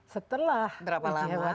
setelah uji hewan dilakukan